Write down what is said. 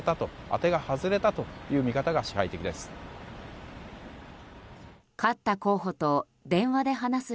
当てが外れたという見方が支配的です。